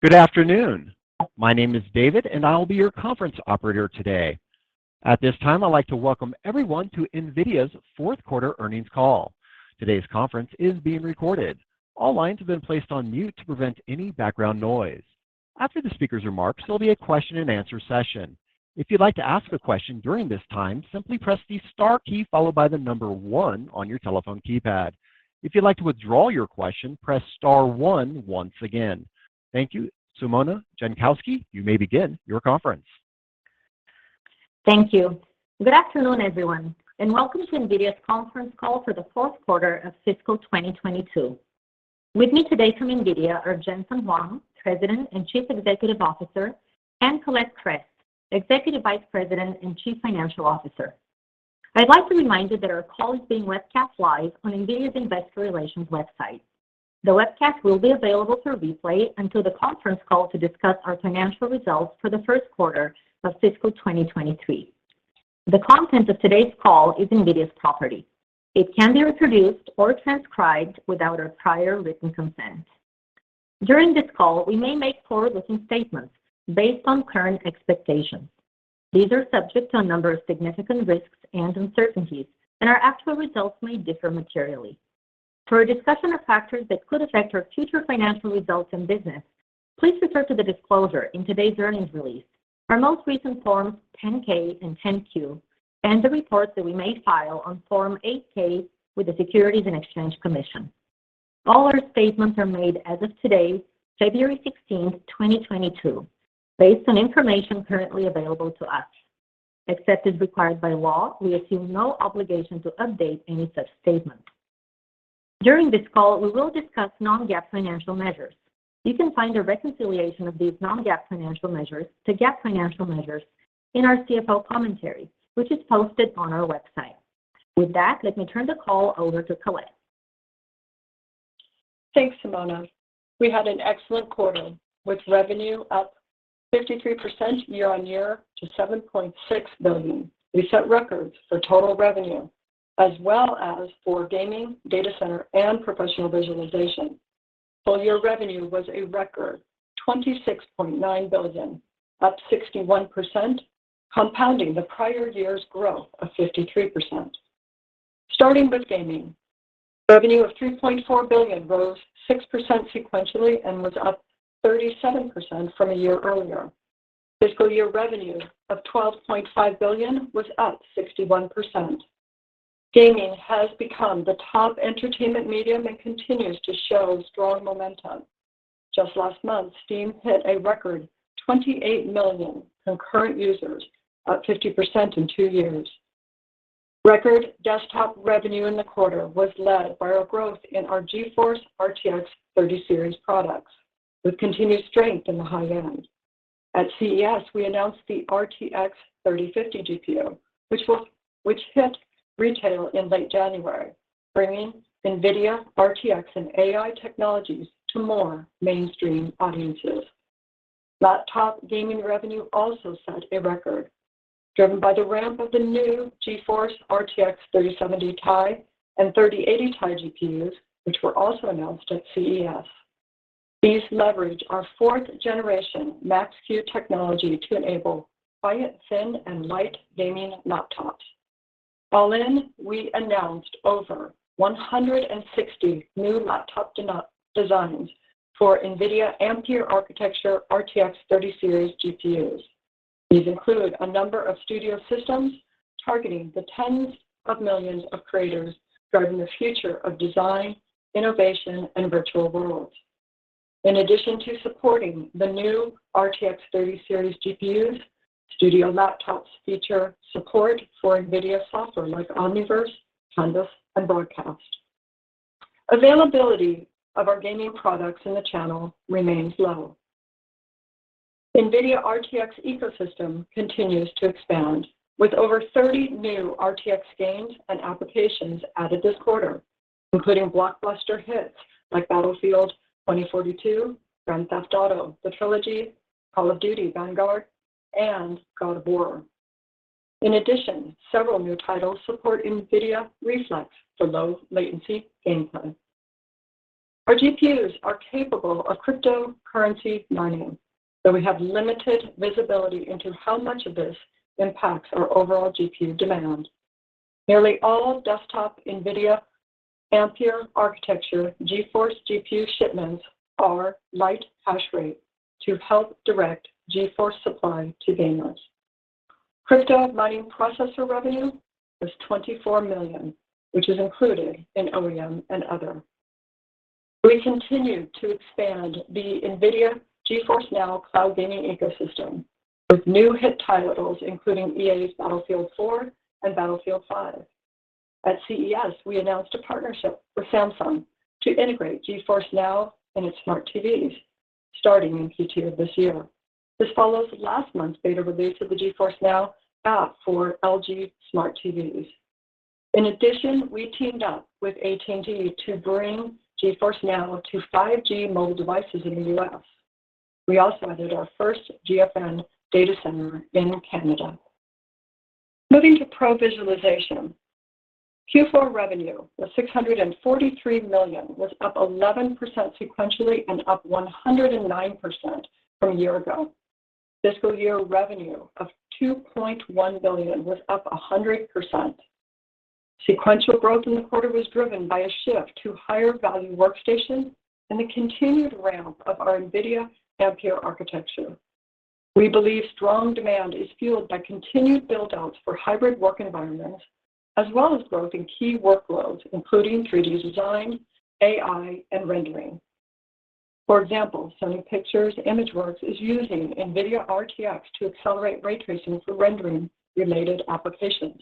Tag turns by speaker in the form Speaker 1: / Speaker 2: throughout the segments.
Speaker 1: Good afternoon. My name is David, and I'll be your conference operator today. At this time, I'd like to welcome everyone to NVIDIA's fourth quarter earnings call. Today's conference is being recorded. All lines have been placed on mute to prevent any background noise. After the speaker's remarks, there'll be a question-and-answer session. If you'd like to ask a question during this time, simply press the star key followed by the number one on your telephone keypad. If you'd like to withdraw your question, press star one once again. Thank you. Simona Jankowski, you may begin your conference.
Speaker 2: Thank you. Good afternoon, everyone, and welcome to NVIDIA's conference call for the fourth quarter of fiscal 2022. With me today from NVIDIA are Jensen Huang, President and Chief Executive Officer, and Colette Kress, Executive Vice President and Chief Financial Officer. I'd like to remind you that our call is being webcast live on NVIDIA's Investor Relations website. The webcast will be available through replay until the conference call to discuss our financial results for the first quarter of fiscal 2023. The content of today's call is NVIDIA's property. It can be reproduced or transcribed without our prior written consent. During this call, we may make forward-looking statements based on current expectations. These are subject to a number of significant risks and uncertainties, and our actual results may differ materially. For a discussion of factors that could affect our future financial results and business, please refer to the disclosure in today's earnings release, our most recent Form 10-K and 10-Q, and the reports that we may file on Form 8-K with the Securities and Exchange Commission. All our statements are made as of today, February 16, 2022, based on information currently available to us. Except as required by law, we assume no obligation to update any such statement. During this call, we will discuss non-GAAP financial measures. You can find a reconciliation of these non-GAAP financial measures to GAAP financial measures in our CFO commentary, which is posted on our website. With that, let me turn the call over to Colette.
Speaker 3: Thanks, Simona. We had an excellent quarter, with revenue up 53% year-on-year to $7.6 billion. We set records for total revenue, as well as for Gaming, Data Center, and Professional Visualization. Full year revenue was a record $26.9 billion, up 61%, compounding the prior year's growth of 53%. Starting with gaming, revenue of $3.4 billion rose 6% sequentially and was up 37% from a year earlier. Fiscal year revenue of $12.5 billion was up 61%. Gaming has become the top entertainment medium and continues to show strong momentum. Just last month, Steam hit a record 28 million concurrent users, up 50% in two years. Record desktop revenue in the quarter was led by our growth in our GeForce RTX 30 Series products, with continued strength in the high-end. At CES, we announced the RTX 3050 GPU, which hit retail in late January, bringing NVIDIA RTX and AI technologies to more mainstream audiences. Laptop gaming revenue also set a record, driven by the ramp of the new GeForce RTX 3070 Ti and 3080 Ti GPUs, which were also announced at CES. These leverage our fourth generation Max-Q technology to enable quiet, thin, and light gaming laptops. All in, we announced over 160 new laptop designs for NVIDIA Ampere architecture RTX 30 series GPUs. These include a number of studio systems targeting the tens of millions of creators driving the future of design, innovation, and virtual worlds. In addition to supporting the new RTX 30 series GPUs, studio laptops feature support for NVIDIA software like Omniverse, Canvas, and Broadcast. Availability of our gaming products in the channel remains low. NVIDIA RTX ecosystem continues to expand, with over 30 new RTX games and applications added this quarter, including blockbuster hits like Battlefield 2042, Grand Theft Auto: The Trilogy, Call of Duty: Vanguard, and God of War. In addition, several new titles support NVIDIA Reflex for low latency gameplay. Our GPUs are capable of cryptocurrency mining, though we have limited visibility into how much of this impacts our overall GPU demand. Nearly all desktop NVIDIA Ampere architecture GeForce GPU shipments are Lite Hash Rate to help direct GeForce supply to gamers. Crypto mining processor revenue was $24 million, which is included in OEM and Other. We continued to expand the NVIDIA GeForce NOW cloud gaming ecosystem with new hit titles, including EA's Battlefield 4 and Battlefield 5. At CES, we announced a partnership with Samsung to integrate GeForce NOW in its smart TVs starting in Q2 of this year. This follows last month's beta release of the GeForce NOW app for LG Smart TVs. In addition, we teamed up with AT&T to bring GeForce NOW to 5G mobile devices in the U.S. We also added our first GFN data center in Canada. Moving to Professional Visualization. Q4 revenue was $643 million, was up 11% sequentially and up 109% from a year ago. Fiscal year revenue of $2.1 billion was up 100%. Sequential growth in the quarter was driven by a shift to higher value workstations and the continued ramp of our NVIDIA Ampere architecture. We believe strong demand is fueled by continued build-outs for hybrid work environments as well as growth in key workloads, including 3D design, AI, and rendering. For example, Sony Pictures Imageworks is using NVIDIA RTX to accelerate ray tracing for rendering related applications.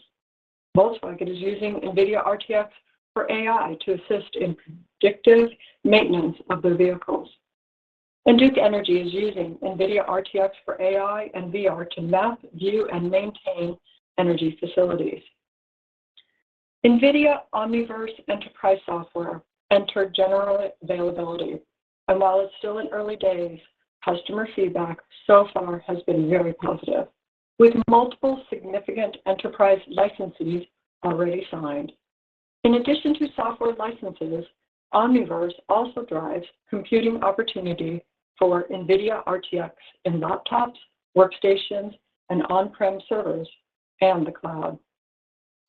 Speaker 3: Volkswagen is using NVIDIA RTX for AI to assist in predictive maintenance of their vehicles. Duke Energy is using NVIDIA RTX for AI and VR to map, view, and maintain energy facilities. NVIDIA Omniverse enterprise software entered general availability, and while it's still in early days, customer feedback so far has been very positive, with multiple significant enterprise licenses already signed. In addition to software licenses, Omniverse also drives computing opportunity for NVIDIA RTX in laptops, workstations, and on-prem servers, and the cloud.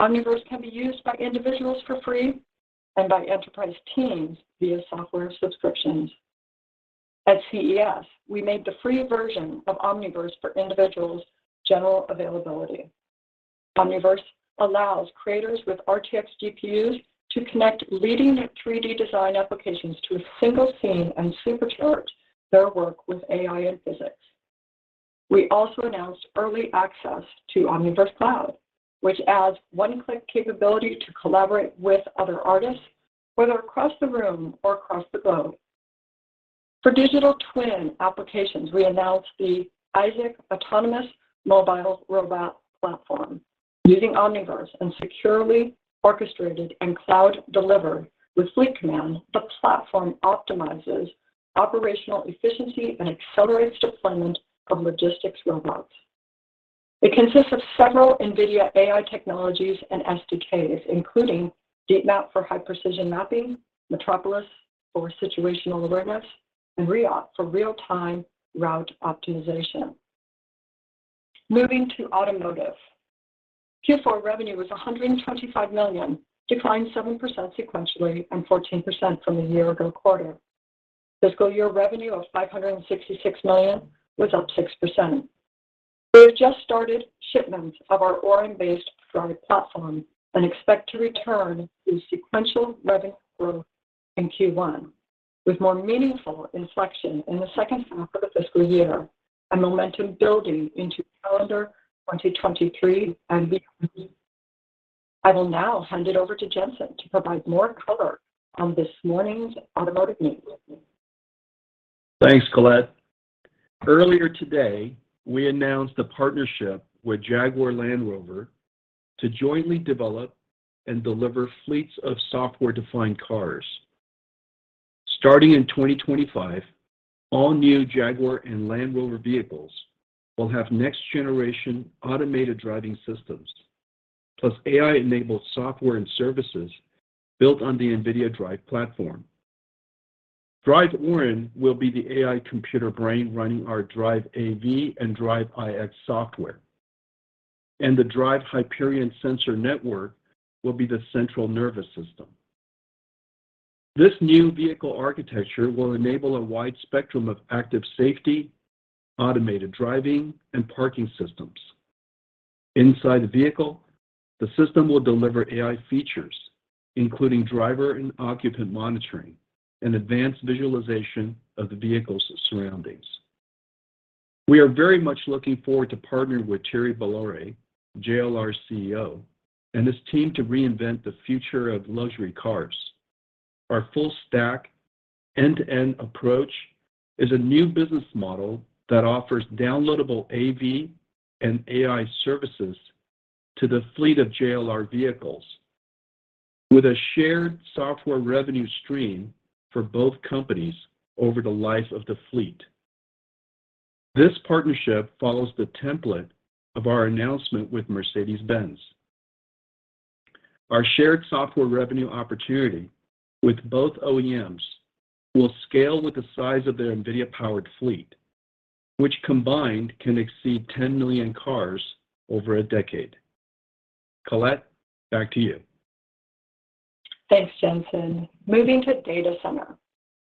Speaker 3: Omniverse can be used by individuals for free and by enterprise teams via software subscriptions. At CES, we made the free version of Omniverse for individuals' general availability. Omniverse allows creators with RTX GPUs to connect leading 3D design applications to a single scene and supercharge their work with AI and physics. We also announced early access to Omniverse Cloud, which adds one-click capability to collaborate with other artists, whether across the room or across the globe. For digital twin applications, we announced the Isaac Autonomous Mobile Robot Platform. Using Omniverse and securely orchestrated and cloud delivered with Fleet Command, the platform optimizes operational efficiency and accelerates deployment of logistics robots. It consists of several NVIDIA AI technologies and SDKs, including DeepMap for high precision mapping, Metropolis for situational awareness, and ReOpt for real-time route optimization. Moving to automotive. Q4 revenue was $125 million, declined 7% sequentially, and 14% from the year ago quarter. Fiscal year revenue of $566 million was up 6%. We have just started shipments of our Orin-based DRIVE platform and expect to return to sequential revenue growth in Q1, with more meaningful inflection in the second half of the fiscal year and momentum building into calendar 2023 and beyond. I will now hand it over to Jensen to provide more color on this morning's automotive news.
Speaker 4: Thanks, Colette. Earlier today, we announced a partnership with Jaguar Land Rover to jointly develop and deliver fleets of software-defined cars. Starting in 2025, all new Jaguar and Land Rover vehicles will have next generation automated driving systems, plus AI-enabled software and services built on the NVIDIA DRIVE platform. DRIVE Orin will be the AI computer brain running our DRIVE AV and DRIVE IX software. The DRIVE Hyperion sensor network will be the central nervous system. This new vehicle architecture will enable a wide spectrum of active safety, automated driving, and parking systems. Inside the vehicle, the system will deliver AI features, including driver and occupant monitoring and advanced visualization of the vehicle's surroundings. We are very much looking forward to partnering with Thierry Bolloré, JLR's CEO, and his team to reinvent the future of luxury cars. Our full stack, end-to-end approach is a new business model that offers downloadable AV and AI services to the fleet of JLR vehicles with a shared software revenue stream for both companies over the life of the fleet. This partnership follows the template of our announcement with Mercedes-Benz. Our shared software revenue opportunity with both OEMs will scale with the size of their NVIDIA-powered fleet, which combined can exceed 10 million cars over a decade. Colette, back to you.
Speaker 3: Thanks, Jensen. Moving to Data Center.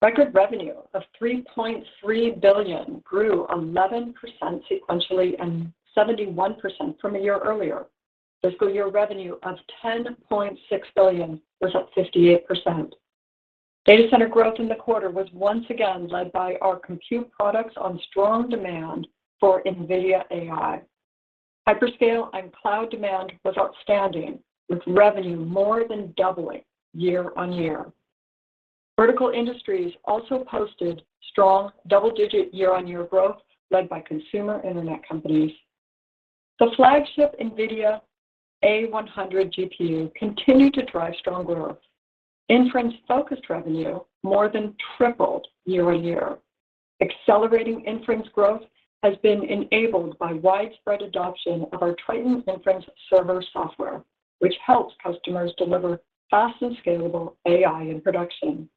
Speaker 3: Record revenue of $3.3 billion grew 11% sequentially and 71% from a year earlier. Fiscal year revenue of $10.6 billion was up 58%. Data Center growth in the quarter was once again led by our compute products on strong demand for NVIDIA AI. Hyperscale and cloud demand was outstanding, with revenue more than doubling year-on-year. Vertical industries also posted strong double-digit year-on-year growth led by consumer internet companies. The flagship NVIDIA A100 GPU continued to drive strong growth. Inference-focused revenue more than tripled year-on-year. Accelerating inference growth has been enabled by widespread adoption of our Triton Inference Server software, which helps customers deliver fast and scalable AI in production.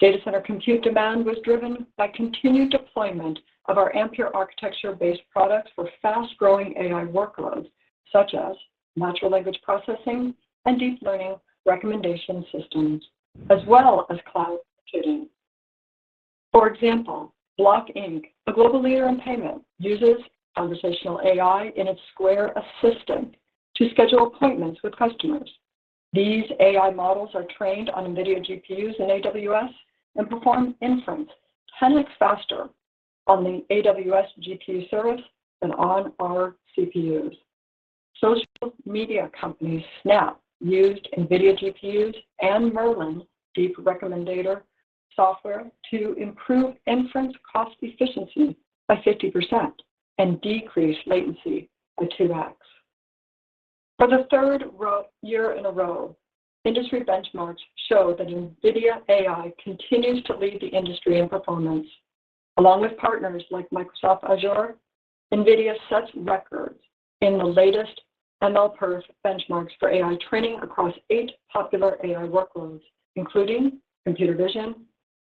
Speaker 3: Data center compute demand was driven by continued deployment of our Ampere architecture-based products for fast-growing AI workloads, such as natural language processing and deep learning recommendation systems, as well as cloud computing. For example, Block, Inc., a global leader in payment, uses conversational AI in its Square Assistant to schedule appointments with customers. These AI models are trained on NVIDIA GPUs in AWS and perform inference 10x faster on the AWS GPU service than on our CPUs. Social media company Snap used NVIDIA GPUs and Merlin deep recommender software to improve inference cost efficiency by 50% and decrease latency by 2x. For the third year in a row, industry benchmarks show that NVIDIA AI continues to lead the industry in performance. Along with partners like Microsoft Azure, NVIDIA sets records in the latest MLPerf benchmarks for AI training across eight popular AI workloads, including computer vision,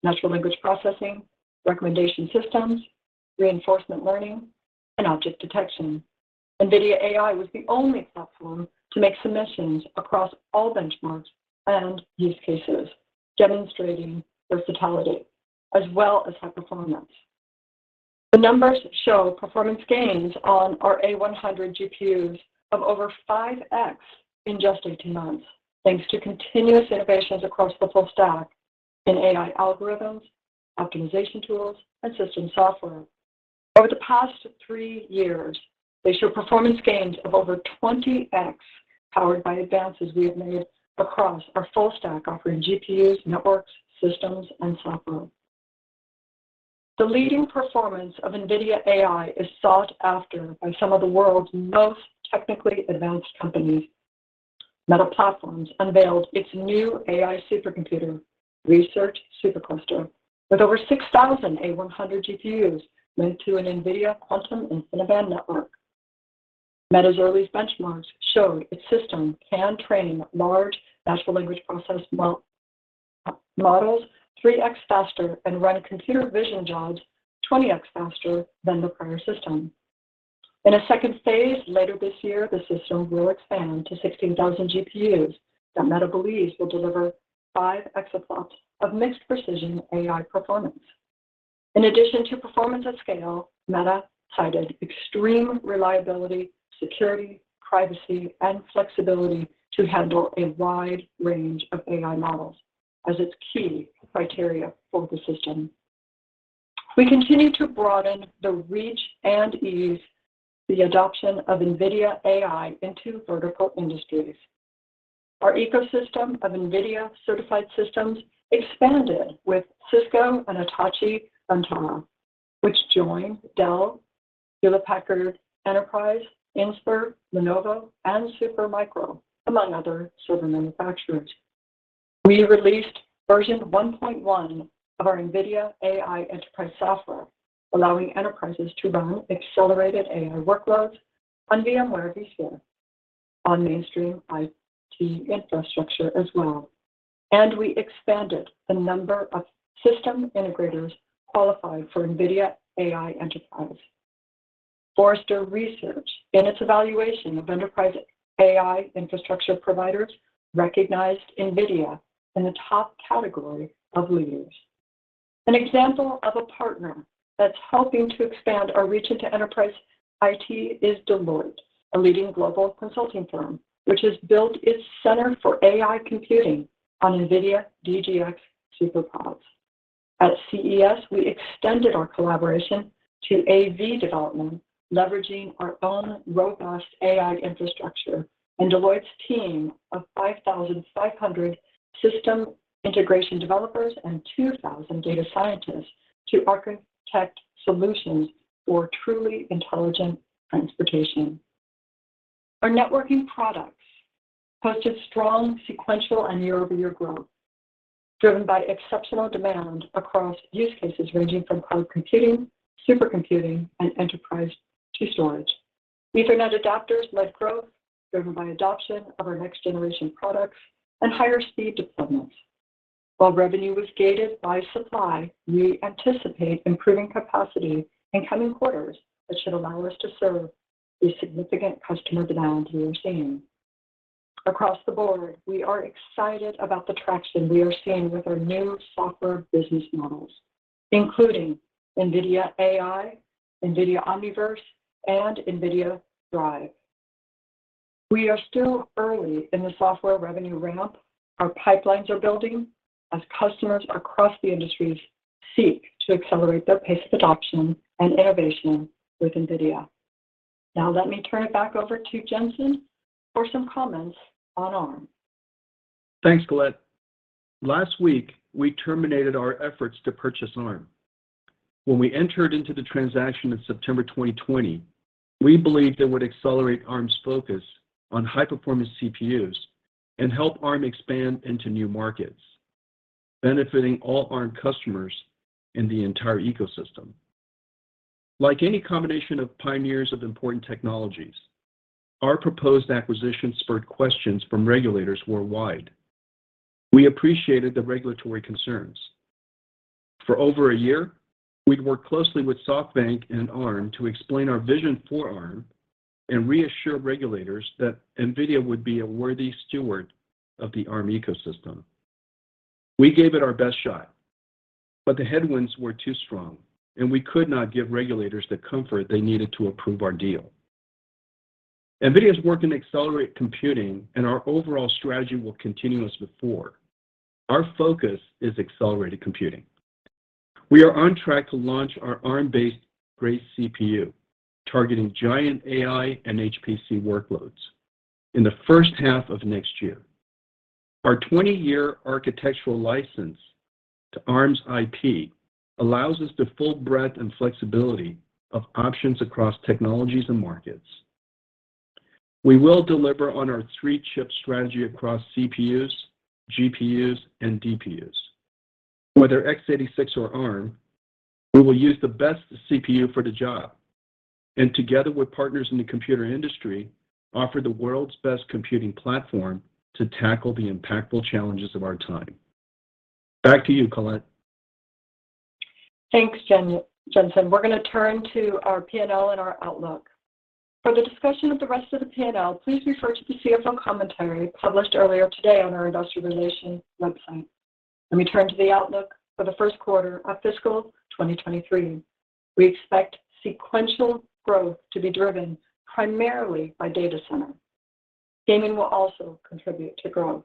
Speaker 3: natural language processing, recommendation systems, reinforcement learning, and object detection. NVIDIA AI was the only platform to make submissions across all benchmarks and use cases, demonstrating versatility as well as high performance. The numbers show performance gains on our A100 GPUs of over 5x in just 18 months, thanks to continuous innovations across the full stack in AI algorithms, optimization tools, and system software. Over the past three years, they show performance gains of over 20x, powered by advances we have made across our full stack offering GPUs, networks, systems, and software. The leading performance of NVIDIA AI is sought after by some of the world's most technically advanced companies. Meta unveiled its new AI supercomputer, AI Research SuperCluster, with over 6,000 A100 GPUs linked to an NVIDIA Quantum InfiniBand network. Meta's early benchmarks showed its system can train large natural language processing models 3x faster and run computer vision jobs 20x faster than the prior system. In a second phase later this year, the system will expand to 16,000 GPUs that Meta believes will deliver 5 exaFLOPS of mixed precision AI performance. In addition to performance at scale, Meta cited extreme reliability, security, privacy, and flexibility to handle a wide range of AI models as its key criteria for the system. We continue to broaden the reach and ease the adoption of NVIDIA AI into vertical industries. Our ecosystem of NVIDIA-certified systems expanded with Cisco and Hitachi Vantara, which joined Dell, Hewlett Packard Enterprise, Inspur, Lenovo, and Supermicro, among other server manufacturers. We released version 1.1 of our NVIDIA AI Enterprise software, allowing enterprises to run accelerated AI workloads on VMware vSphere on mainstream IT infrastructure as well. We expanded the number of system integrators qualified for NVIDIA AI Enterprise. Forrester Research, in its evaluation of enterprise AI infrastructure providers, recognized NVIDIA in the top category of leaders. An example of a partner that's helping to expand our reach into enterprise IT is Deloitte, a leading global consulting firm, which has built its Center for AI Computing on NVIDIA DGX SuperPODs. At CES, we extended our collaboration to AV development, leveraging our own robust AI infrastructure and Deloitte's team of 5,500 system integration developers and 2,000 data scientists to architect solutions for truly intelligent transportation. Our networking products posted strong sequential and year-over-year growth, driven by exceptional demand across use cases ranging from cloud computing, supercomputing, and enterprise to storage. Ethernet adapters led growth driven by adoption of our next-generation products and higher speed deployments. While revenue was gated by supply, we anticipate improving capacity in coming quarters that should allow us to serve the significant customer demand we are seeing. Across the board, we are excited about the traction we are seeing with our new software business models, including NVIDIA AI, NVIDIA Omniverse, and NVIDIA DRIVE. We are still early in the software revenue ramp. Our pipelines are building as customers across the industries seek to accelerate their pace of adoption and innovation with NVIDIA. Now let me turn it back over to Jensen for some comments on Arm.
Speaker 4: Thanks, Colette. Last week, we terminated our efforts to purchase Arm. When we entered into the transaction in September 2020, we believed it would accelerate Arm's focus on high-performance CPUs and help Arm expand into new markets, benefiting all Arm customers in the entire ecosystem. Like any combination of pioneers of important technologies, our proposed acquisition spurred questions from regulators worldwide. We appreciated the regulatory concerns. For over a year, we'd worked closely with SoftBank and Arm to explain our vision for Arm and reassure regulators that NVIDIA would be a worthy steward of the Arm ecosystem. We gave it our best shot, but the headwinds were too strong, and we could not give regulators the comfort they needed to approve our deal. NVIDIA's work in accelerated computing and our overall strategy will continue as before. Our focus is accelerated computing. We are on track to launch our Arm-based Grace CPU, targeting giant AI and HPC workloads in the first half of next year. Our 20-year architectural license to Arm's IP allows us the full breadth and flexibility of options across technologies and markets. We will deliver on our 3-chip strategy across CPUs, GPUs, and DPUs. Whether x86 or Arm, we will use the best CPU for the job, and together with partners in the computer industry, offer the world's best computing platform to tackle the impactful challenges of our time. Back to you, Colette.
Speaker 3: Thanks, Jensen. We're gonna turn to our P&L and our outlook. For the discussion of the rest of the P&L, please refer to the CFO commentary published earlier today on our investor relations website. Let me turn to the outlook for the first quarter of fiscal 2023. We expect sequential growth to be driven primarily by Data Center. Gaming will also contribute to growth.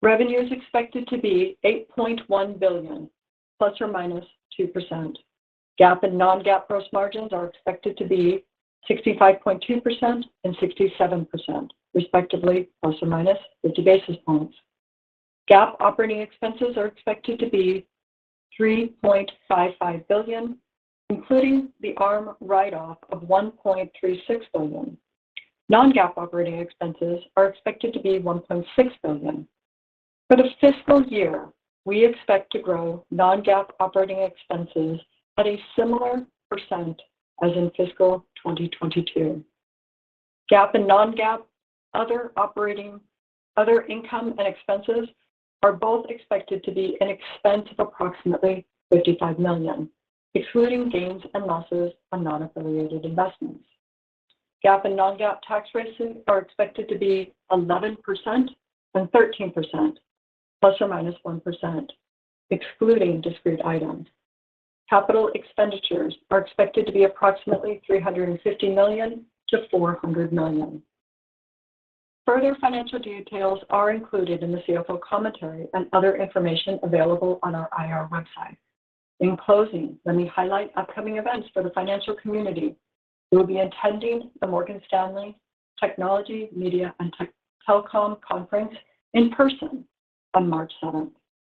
Speaker 3: Revenue is expected to be $8.1 billion ±2%. GAAP and non-GAAP gross margins are expected to be 65.2% and 67% respectively, ±50 basis points. GAAP operating expenses are expected to be $3.55 billion, including the Arm write-off of $1.36 billion. Non-GAAP operating expenses are expected to be $1.6 billion. For the fiscal year, we expect to grow non-GAAP operating expenses at a similar percent as in fiscal 2022. GAAP and non-GAAP other income and expenses are both expected to be an expense of approximately $55 million, excluding gains and losses on non-affiliated investments. GAAP and non-GAAP tax rates are expected to be 11% and 13%, ±1%, excluding discrete items. Capital expenditures are expected to be approximately $350 million-$400 million. Further financial details are included in the CFO commentary and other information available on our IR website. In closing, let me highlight upcoming events for the financial community. We will be attending the Morgan Stanley Technology, Media, and Telecom Conference in person on March 7.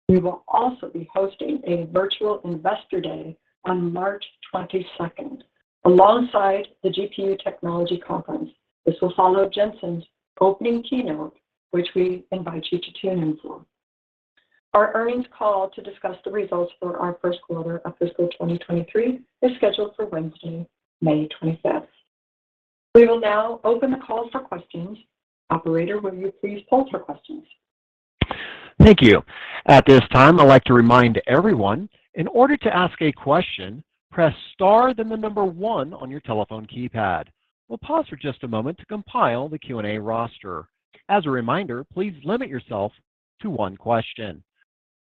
Speaker 3: We will also be hosting a virtual investor day on March 22nd, alongside the GPU Technology Conference. This will follow Jensen's opening keynote, which we invite you to tune in for. Our earnings call to discuss the results for our first quarter of fiscal 2023 is scheduled for Wednesday, May 25th. We will now open the call for questions. Operator, will you please poll for questions?
Speaker 1: Thank you. At this time, I'd like to remind everyone, in order to ask a question, press star then the number one on your telephone keypad. We'll pause for just a moment to compile the Q&A roster. As a reminder, please limit yourself to one question.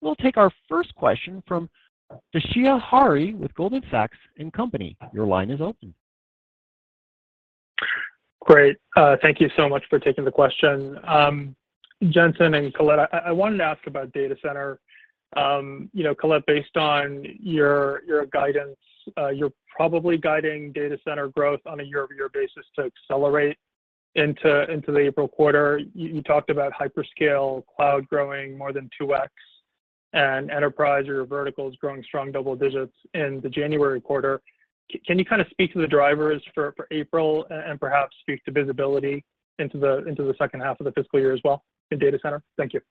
Speaker 1: We'll take our first question from Toshiya Hari with Goldman Sachs. Your line is open.
Speaker 5: Great. Thank you so much for taking the question. Jensen and Colette, I wanted to ask about Data Center. You know, Colette, based on your guidance, you're probably guiding Data Center growth on a year-over-year basis to accelerate into the April quarter. You talked about hyperscale cloud growing more than 2x and enterprise or verticals growing strong double digits in the January quarter. Can you kinda speak to the drivers for April and perhaps speak to visibility into the second half of the fiscal year as well in Data Center? Thank you.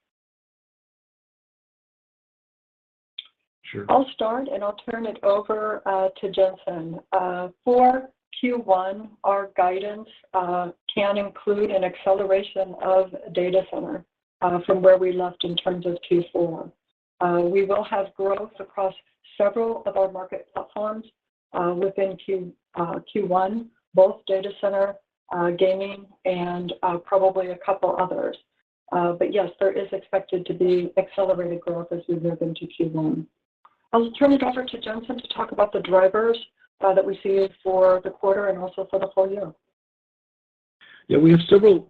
Speaker 4: Sure.
Speaker 3: I'll start, and I'll turn it over to Jensen. For Q1, our guidance can include an acceleration of Data Center from where we left in terms of Q4. We will have growth across several of our market platforms within Q1, both Data Center, Gaming, and probably a couple others. Yes, there is expected to be accelerated growth as we move into Q1. I'll turn it over to Jensen to talk about the drivers that we see for the quarter and also for the full year.
Speaker 4: Yeah, we have several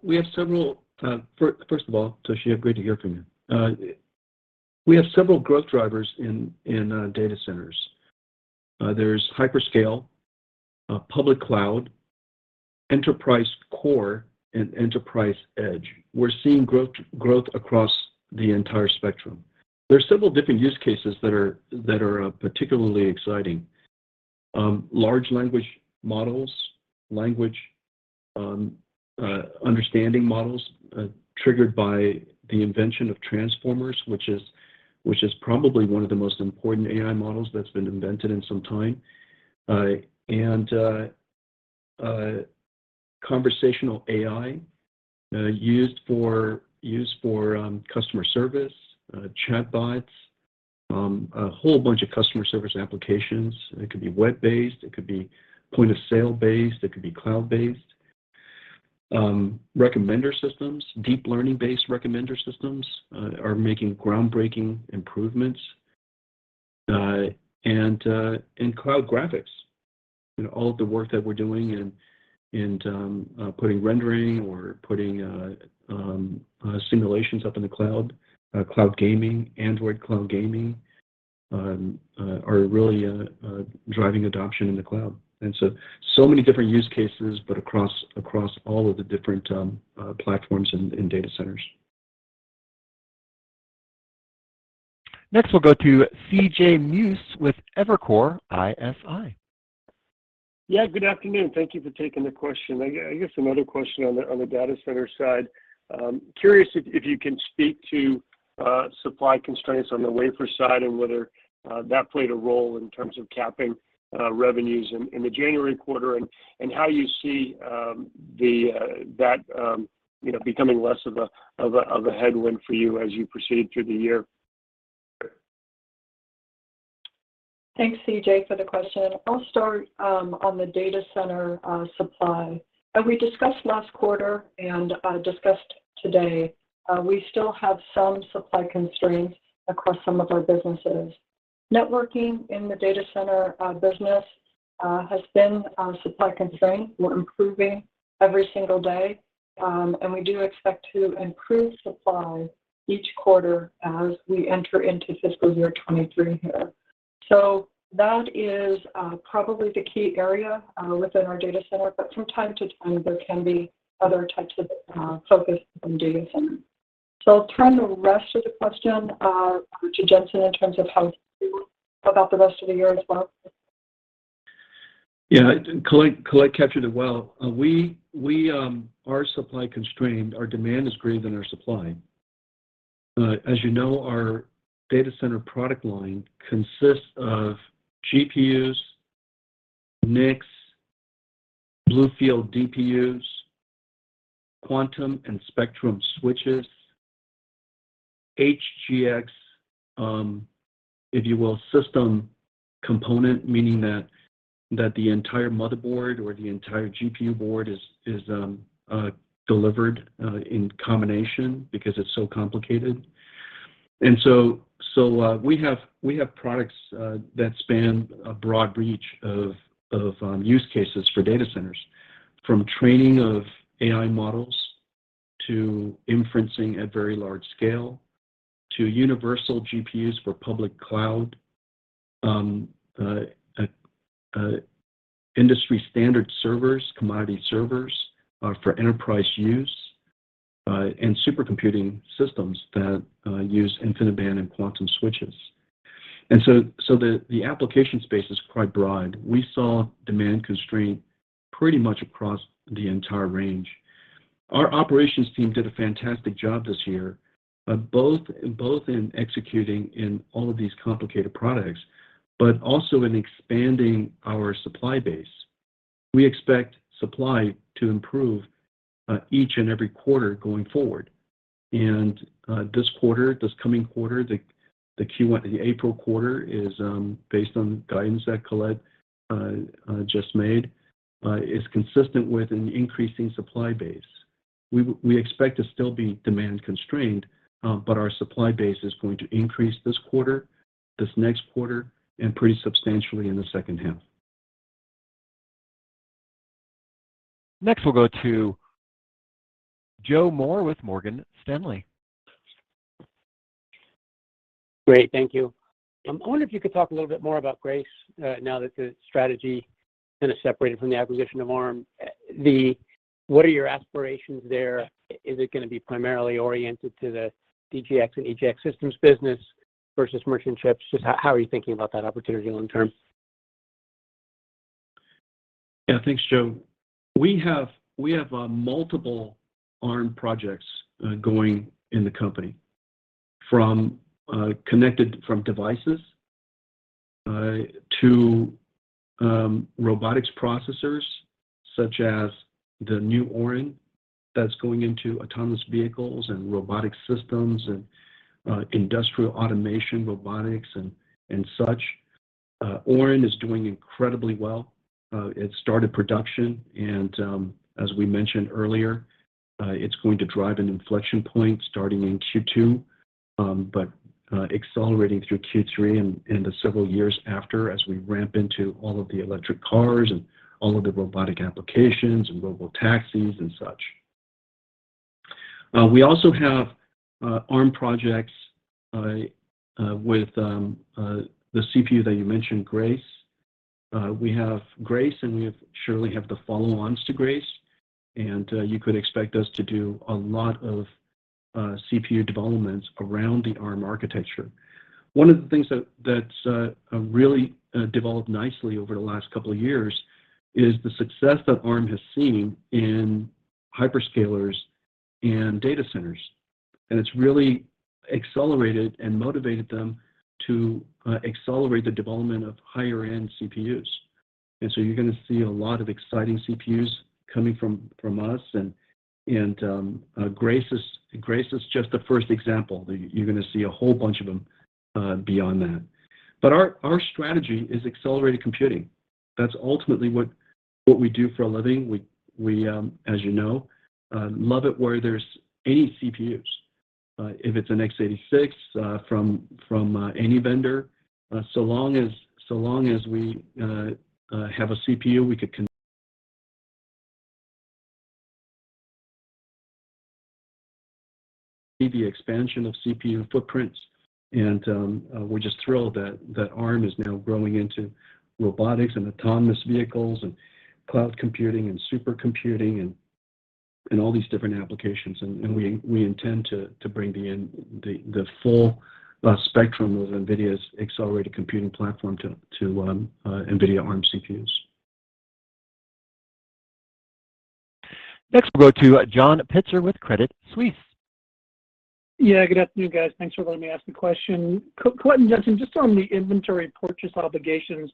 Speaker 4: first of all, Toshiya, great to hear from you. We have several growth drivers in data centers. There's hyperscale, public cloud, enterprise core and enterprise edge. We're seeing growth across the entire spectrum. There are several different use cases that are particularly exciting. Large language models, language understanding models, triggered by the invention of transformers, which is probably one of the most important AI models that's been invented in some time. Conversational AI used for customer service chatbots, a whole bunch of customer service applications. It could be web-based, it could be point-of-sale based, it could be cloud-based. Recommender systems, deep learning-based recommender systems, are making groundbreaking improvements. Cloud graphics and all of the work that we're doing in putting rendering or simulations up in the cloud gaming, Android cloud gaming are really driving adoption in the cloud. So many different use cases, but across all of the different platforms and data centers.
Speaker 1: Next, we'll go to C.J. Muse with Evercore ISI.
Speaker 6: Yeah. Good afternoon. Thank you for taking the question. I guess another question on the Data Center side. Curious if you can speak to supply constraints on the wafer side and whether that played a role in terms of capping revenues in the January quarter and how you see that you know becoming less of a headwind for you as you proceed through the year.
Speaker 3: Thanks, C.J., for the question. I'll start on the data center supply. As we discussed last quarter and discussed today, we still have some supply constraints across some of our businesses. Networking in the data center business has been our supply constraint. We're improving every single day, and we do expect to improve supply each quarter as we enter into fiscal year 2023 here. That is probably the key area within our data center. But from time to time, there can be other types of focus from data center. I'll turn the rest of the question to Jensen in terms of how about the rest of the year as well.
Speaker 4: Yeah. Colette captured it well. We are supply constrained. Our demand is greater than our supply. As you know, our data center product line consists of GPUs, NICs, BlueField DPUs, Quantum and Spectrum switches, HGX, if you will, system component, meaning that the entire motherboard or the entire GPU board is delivered in combination because it's so complicated. We have products that span a broad reach of use cases for data centers, from training of AI models to inferencing at very large scale to universal GPUs for public cloud, industry-standard servers, commodity servers, for enterprise use, and supercomputing systems that use InfiniBand and Quantum switches. The application space is quite broad. We saw demand constraint pretty much across the entire range. Our operations team did a fantastic job this year, both in executing in all of these complicated products, but also in expanding our supply base. We expect supply to improve each and every quarter going forward. This quarter, this coming quarter, the April quarter is based on guidance that Colette just made, is consistent with an increasing supply base. We expect to still be demand constrained, but our supply base is going to increase this quarter, this next quarter, and pretty substantially in the second half.
Speaker 1: Next, we'll go to Joe Moore with Morgan Stanley.
Speaker 7: Great. Thank you. I wonder if you could talk a little bit more about Grace, now that the strategy kind of separated from the acquisition of Arm. What are your aspirations there? Is it gonna be primarily oriented to the DGX and HGX systems business versus merchant chips? Just how are you thinking about that opportunity long term?
Speaker 4: Yeah. Thanks, Joe. We have multiple Arm projects going in the company, from connected devices to robotics processors such as the new Orin that's going into autonomous vehicles and robotic systems and industrial automation robotics and such. Orin is doing incredibly well. It started production, and as we mentioned earlier, it's going to drive an inflection point starting in Q2, but accelerating through Q3 and the several years after as we ramp into all of the electric cars and all of the robotic applications and robotaxis and such. We also have Arm projects with the CPU that you mentioned, Grace. We have Grace, and we surely have the follow-ons to Grace. You could expect us to do a lot of CPU developments around the Arm architecture. One of the things that really developed nicely over the last couple of years is the success that Arm has seen in hyperscalers and data centers. It's really accelerated and motivated them to accelerate the development of higher-end CPUs. You're gonna see a lot of exciting CPUs coming from us. Grace is just the first example. You're gonna see a whole bunch of them beyond that. Our strategy is accelerated computing. That's ultimately what we do for a living. We as you know love it where there's any CPUs. If it's an x86 from any vendor, so long as we have a CPU, we can see the expansion of CPU footprints. We're just thrilled that Arm is now growing into robotics and autonomous vehicles and cloud computing and supercomputing and all these different applications. We intend to bring the full spectrum of NVIDIA's accelerated computing platform to NVIDIA Arm CPUs.
Speaker 1: Next, we'll go to John Pitzer with Credit Suisse.
Speaker 8: Yeah, good afternoon, guys. Thanks for letting me ask the question. Jensen, just on the inventory purchase obligations,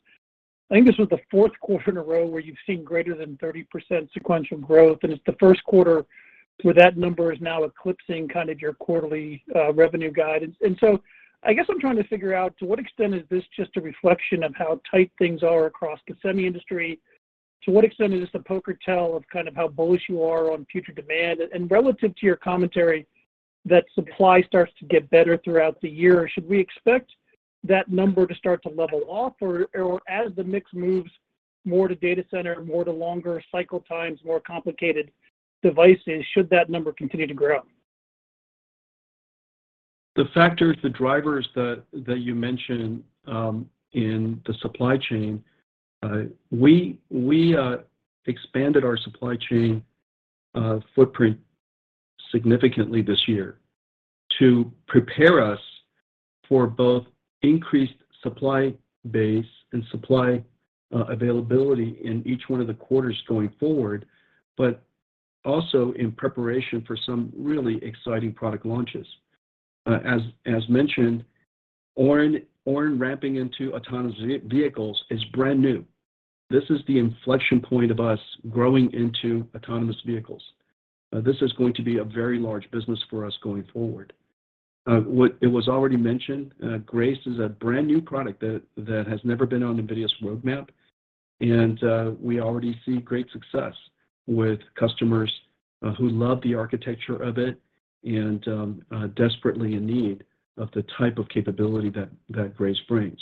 Speaker 8: I think this was the fourth quarter in a row where you've seen greater than 30% sequential growth, and it's the first quarter where that number is now eclipsing kind of your quarterly revenue guidance. I guess I'm trying to figure out to what extent is this just a reflection of how tight things are across the semi-industry? To what extent is this a poker tell of kind of how bullish you are on future demand? Relative to your commentary that supply starts to get better throughout the year, should we expect that number to start to level off or as the mix moves more to data center, more to longer cycle times, more complicated devices, should that number continue to grow?
Speaker 4: The factors, the drivers that you mentioned in the supply chain, we expanded our supply chain footprint significantly this year to prepare us for both increased supply base and supply availability in each one of the quarters going forward, but also in preparation for some really exciting product launches. As mentioned, Orin ramping into autonomous vehicles is brand new. This is the inflection point of us growing into autonomous vehicles. This is going to be a very large business for us going forward. It was already mentioned, Grace is a brand-new product that has never been on NVIDIA's roadmap, and we already see great success with customers who love the architecture of it and are desperately in need of the type of capability that Grace brings.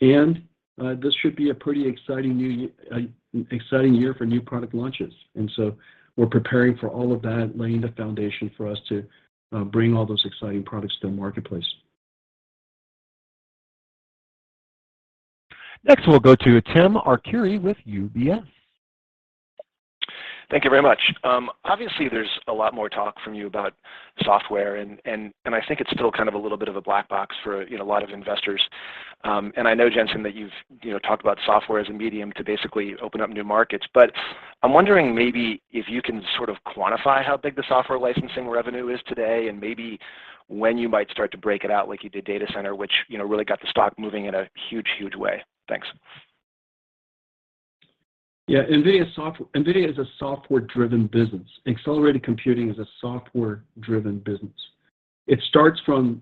Speaker 4: This should be a pretty exciting year for new product launches. We're preparing for all of that, laying the foundation for us to bring all those exciting products to the marketplace.
Speaker 1: Next, we'll go to Tim Arcuri with UBS.
Speaker 9: Thank you very much. Obviously, there's a lot more talk from you about software, and I think it's still kind of a little bit of a black box for, you know, a lot of investors. I know, Jensen, that you've, you know, talked about software as a medium to basically open up new markets. I'm wondering maybe if you can sort of quantify how big the software licensing revenue is today and maybe when you might start to break it out like you did Data Center, which, you know, really got the stock moving in a huge, huge way. Thanks.
Speaker 4: Yeah. NVIDIA is a software-driven business. Accelerated computing is a software-driven business. It starts from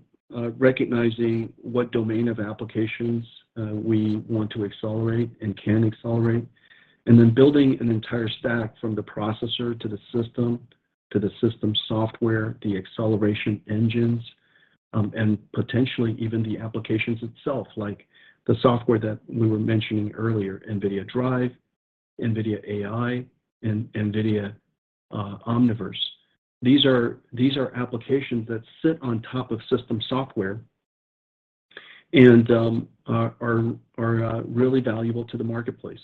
Speaker 4: recognizing what domain of applications we want to accelerate and can accelerate, and then building an entire stack from the processor to the system, to the system software, the acceleration engines, and potentially even the applications itself, like the software that we were mentioning earlier, NVIDIA DRIVE, NVIDIA AI, and NVIDIA Omniverse. These are applications that sit on top of system software and are really valuable to the marketplace.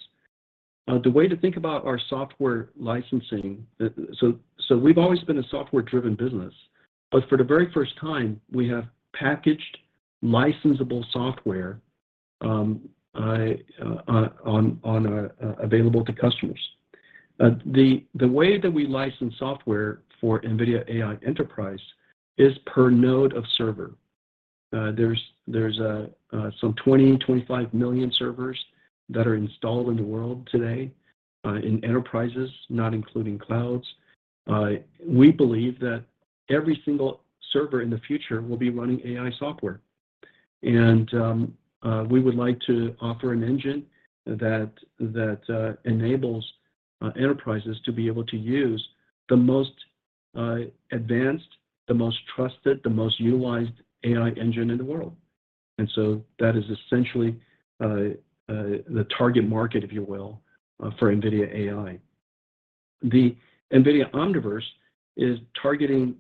Speaker 4: The way to think about our software licensing. We've always been a software-driven business, but for the very first time, we have packaged licensable software available to customers. The way that we license software for NVIDIA AI Enterprise is per node of server. There's some 20-25 million servers that are installed in the world today, in enterprises, not including clouds. We believe that every single server in the future will be running AI software. We would like to offer an engine that enables enterprises to be able to use the most advanced, the most trusted, the most utilized AI engine in the world. That is essentially the target market, if you will, for NVIDIA AI. The NVIDIA Omniverse is targeting,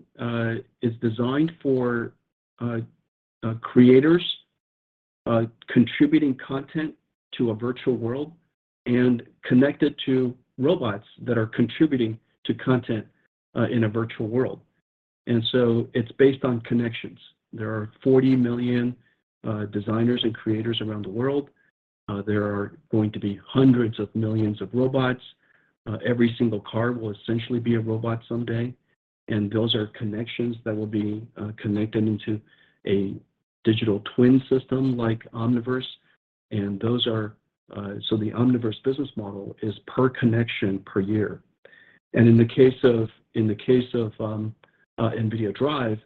Speaker 4: is designed for creators contributing content to a virtual world and connected to robots that are contributing to content in a virtual world. It's based on connections. There are 40 million designers and creators around the world. There are going to be hundreds of millions of robots. Every single car will essentially be a robot someday. Those are connections that will be connected into a digital twin system like Omniverse. Those are, so the Omniverse business model is per connection per year. In the case of NVIDIA DRIVE,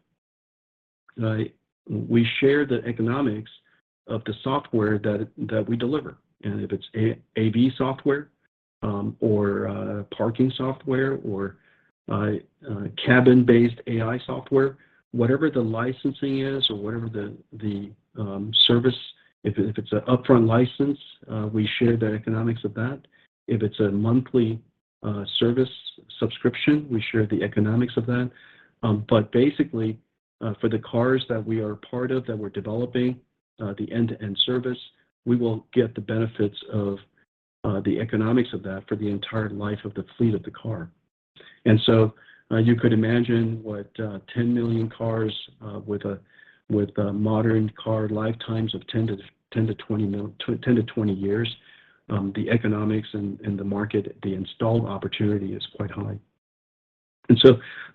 Speaker 4: we share the economics of the software that we deliver. If it's AV software or parking software or cabin-based AI software, whatever the licensing is or whatever the service, if it's an upfront license, we share the economics of that. If it's a monthly service subscription, we share the economics of that. Basically, for the cars that we are part of, that we're developing, the end-to-end service, we will get the benefits of the economics of that for the entire life of the fleet of the car. You could imagine what 10 million cars with modern car lifetimes of 10-20 years, the economics and the market, the installed opportunity is quite high.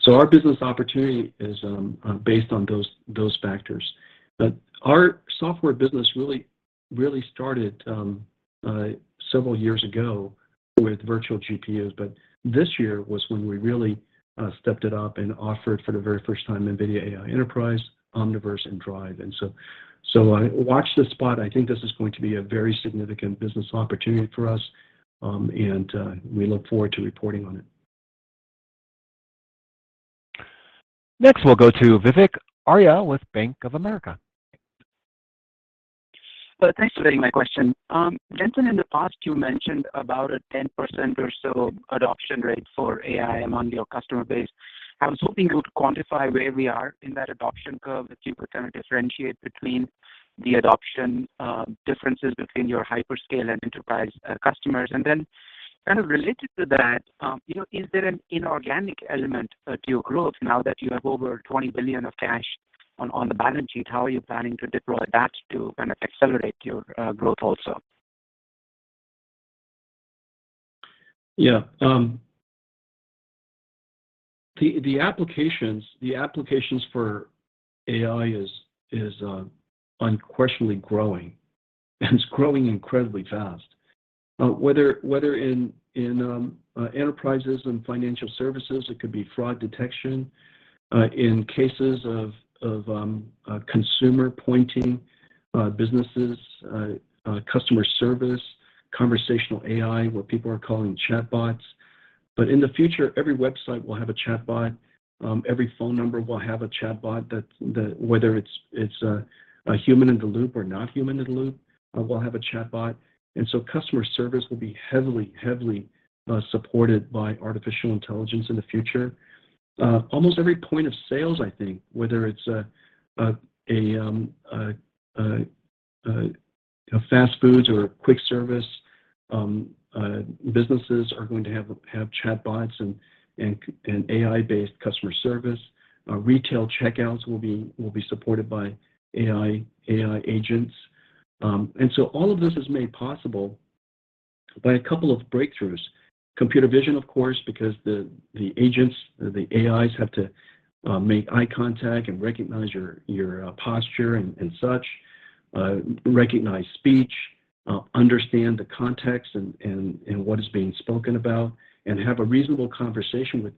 Speaker 4: Our business opportunity is based on those factors. Our software business really started several years ago with virtual GPUs. This year was when we really stepped it up and offered for the very first time NVIDIA AI Enterprise, Omniverse, and Drive. Watch this spot. I think this is going to be a very significant business opportunity for us. We look forward to reporting on it.
Speaker 1: Next, we'll go to Vivek Arya with Bank of America.
Speaker 10: Thanks for taking my question. Jensen, in the past, you mentioned about a 10% or so adoption rate for AI among your customer base. I was hoping you would quantify where we are in that adoption curve. If you could kind of differentiate between the adoption differences between your hyperscale and enterprise customers. Kind of related to that, is there an inorganic element to your growth now that you have over $20 billion of cash on the balance sheet? How are you planning to deploy that to kind of accelerate your growth also?
Speaker 4: Yeah. The applications for AI is unquestionably growing, and it's growing incredibly fast. Whether in enterprises and financial services, it could be fraud detection. In cases of consumer-facing businesses, customer service, conversational AI, what people are calling chatbots. In the future, every website will have a chatbot. Every phone number will have a chatbot, whether it's a human in the loop or not human in the loop, will have a chatbot. Customer service will be heavily supported by artificial intelligence in the future. Almost every point of sales, I think, whether it's a fast food or quick service businesses are going to have chatbots and AI-based customer service. Retail checkouts will be supported by AI agents. All of this is made possible by a couple of breakthroughs. Computer vision, of course, because the agents, the AIs have to make eye contact and recognize your posture and such, recognize speech, understand the context and what is being spoken about, and have a reasonable conversation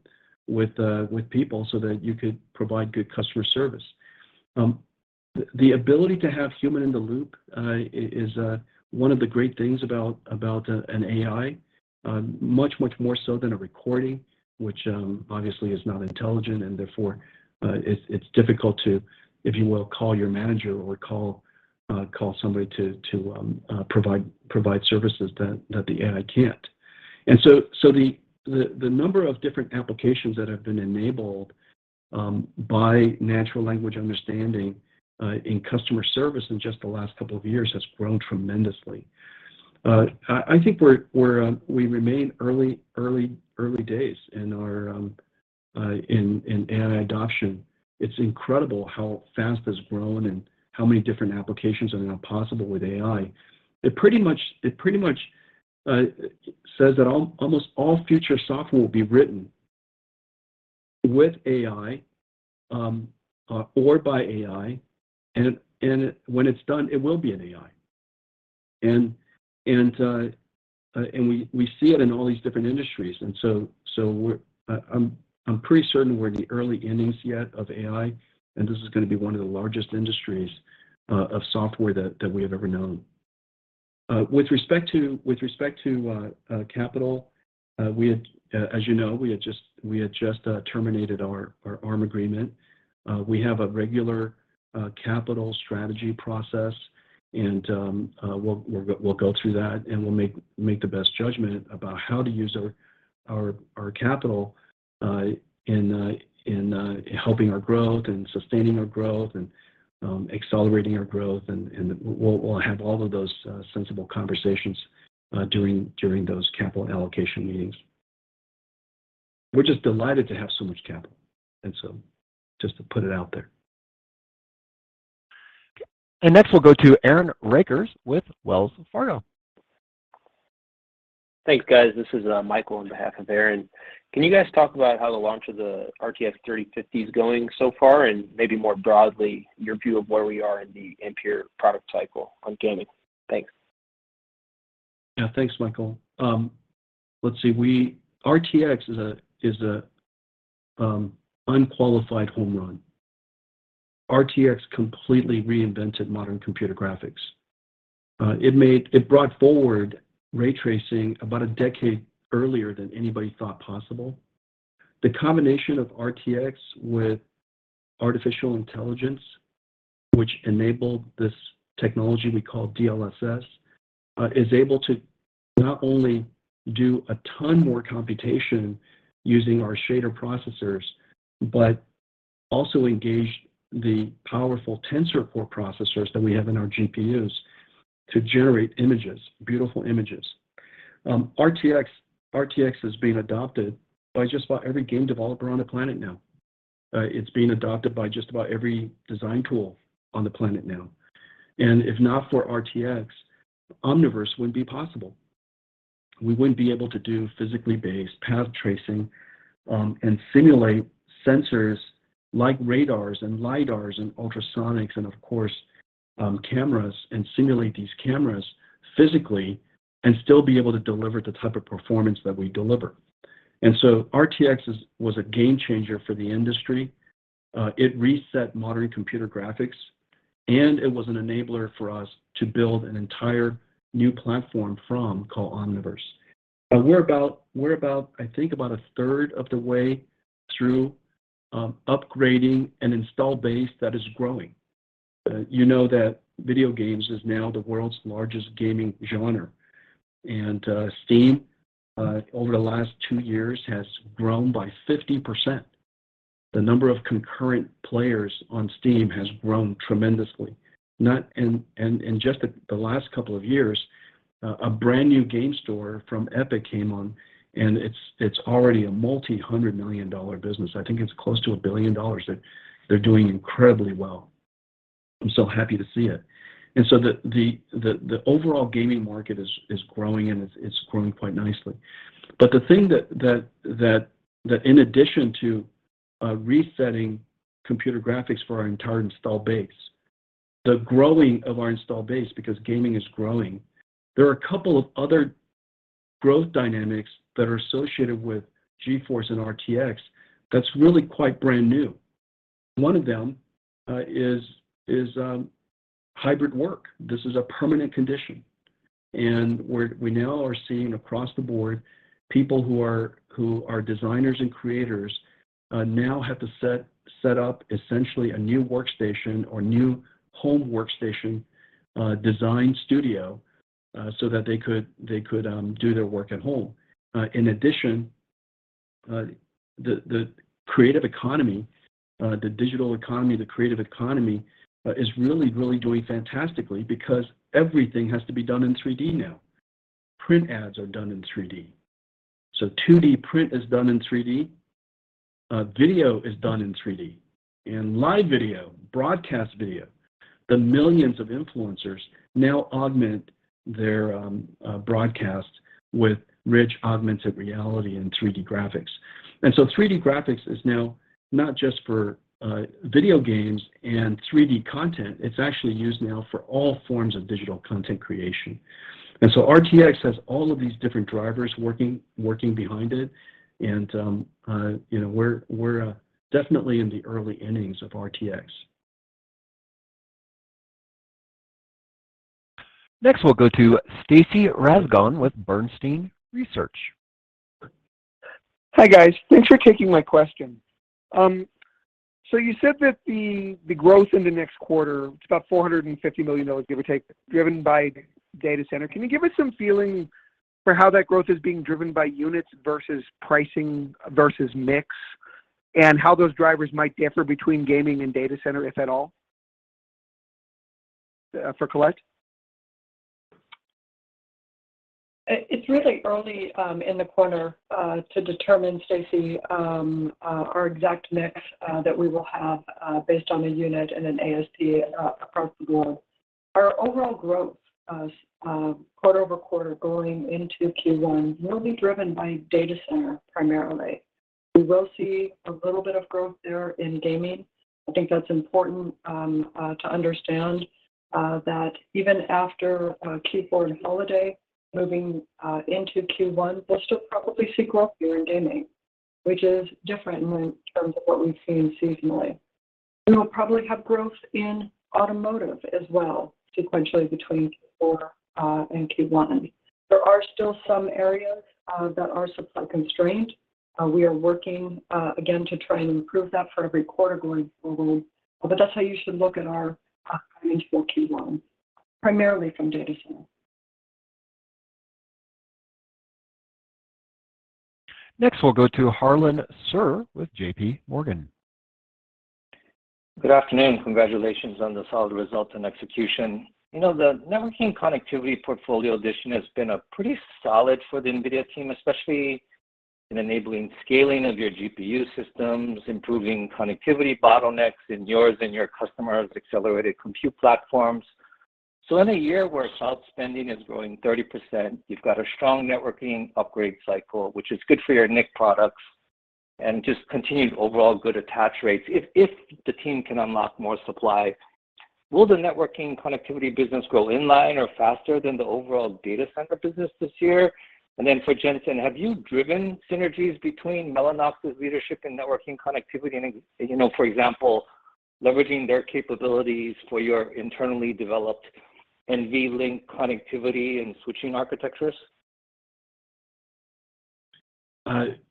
Speaker 4: with people so that you could provide good customer service. The ability to have human in the loop is one of the great things about an AI, much, much more so than a recording, which obviously is not intelligent and therefore it's difficult to, if you will, call your manager or call somebody to provide services that the AI can't. The number of different applications that have been enabled by natural language understanding in customer service in just the last couple of years has grown tremendously. I think we remain early days in our AI adoption. It's incredible how fast it's grown and how many different applications are now possible with AI. It pretty much says that almost all future software will be written with AI or by AI. When it's done, it will be an AI. We see it in all these different industries. I'm pretty certain we're in the early innings yet of AI. This is going to be one of the largest industries of software that we have ever known. With respect to capital, we had, as you know, we had just terminated our Arm agreement. We have a regular capital strategy process, and we'll go through that and we'll make the best judgment about how to use our capital in helping our growth and sustaining our growth and accelerating our growth. We'll have all of those sensible conversations during those capital allocation meetings. We're just delighted to have so much capital, so just to put it out there.
Speaker 1: Next, we'll go to Aaron Rakers with Wells Fargo.
Speaker 11: Thanks, guys. This is Michael on behalf of Aaron. Can you guys talk about how the launch of the RTX 3050 is going so far, and maybe more broadly, your view of where we are in the Ampere product cycle on gaming? Thanks.
Speaker 4: Yeah. Thanks, Michael. Let's see. RTX is an unqualified home run. RTX completely reinvented modern computer graphics. It brought forward ray tracing about a decade earlier than anybody thought possible. The combination of RTX with artificial intelligence, which enabled this technology we call DLSS, is able to not only do a ton more computation using our shader processors, but also engage the powerful Tensor Core processors that we have in our GPUs to generate images, beautiful images. RTX is being adopted by just about every game developer on the planet now. It's being adopted by just about every design tool on the planet now. If not for RTX, Omniverse wouldn't be possible. We wouldn't be able to do physically based path tracing, and simulate sensors like radars and LiDARs and ultrasonics and of course, cameras, and simulate these cameras physically and still be able to deliver the type of performance that we deliver. RTX was a game changer for the industry. It reset modern computer graphics, and it was an enabler for us to build an entire new platform from, called Omniverse. We're about, I think about a third of the way through, upgrading an install base that is growing. You know that video games is now the world's largest gaming genre. Steam, over the last two years has grown by 50%. The number of concurrent players on Steam has grown tremendously. Just the last couple of years, a brand-new game store from Epic came on, and it's already a multi-hundred-million-dollar business. I think it's close to $1 billion. They're doing incredibly well. I'm so happy to see it. The overall gaming market is growing and it's growing quite nicely. The thing that in addition to resetting computer graphics for our entire install base, the growing of our install base, because gaming is growing, there are a couple of other growth dynamics that are associated with GeForce and RTX that's really quite brand new. One of them is hybrid work. This is a permanent condition, and we now are seeing across the board, people who are designers and creators, now have to set up essentially a new workstation or new home workstation, design studio, so that they could do their work at home. In addition, the creative economy, the digital economy, the creative economy, is really doing fantastically because everything has to be done in 3D now. Print ads are done in 3D. 2D print is done in 3D. Video is done in 3D. Live video, broadcast video, the millions of influencers now augment their broadcast with rich augmented reality and 3D graphics. 3D graphics is now not just for video games and 3D content, it's actually used now for all forms of digital content creation. RTX has all of these different drivers working behind it, and you know, we're definitely in the early innings of RTX.
Speaker 1: Next, we'll go to Stacy Rasgon with Bernstein Research.
Speaker 12: Hi guys. Thanks for taking my question. So, you said that the growth in the next quarter, it's about $450 million, give or take, driven by Data Center. Can you give us some feeling for how that growth is being driven by units versus pricing versus mix, and how those drivers might differ between Gaming and Data Center, if at all? For Colette.
Speaker 3: It's really early in the quarter to determine, Stacy, our exact mix that we will have based on the unit and then ASP across the board. Our overall growth quarter over quarter going into Q1 will be driven by Data Center primarily. We will see a little bit of growth there in Gaming. I think that's important to understand that even after Q4 and holiday, moving into Q1, we'll still probably see growth there in Gaming, which is different in terms of what we've seen seasonally. We'll probably have growth in automotive as well sequentially between Q4 and Q1. There are still some areas that are supply constrained. We are working again to try and improve that for every quarter going forward. That's how you should look at our guidance for Q1, primarily from Data Center.
Speaker 1: Next, we'll go to Harlan Sur with J.P. Morgan.
Speaker 13: Good afternoon. Congratulations on the solid results and execution. You know, the networking connectivity portfolio addition has been pretty solid for the NVIDIA team, especially in enabling scaling of your GPU systems, improving connectivity bottlenecks in yours and your customers' accelerated compute platforms. In a year where cloud spending is growing 30%, you've got a strong networking upgrade cycle, which is good for your NIC products, and just continued overall good attach rates. If the team can unlock more supply, will the networking connectivity business grow in line or faster than the overall data center business this year? For Jensen, have you driven synergies between Mellanox's leadership in networking connectivity and, you know, for example, leveraging their capabilities for your internally developed NVLink connectivity and switching architectures?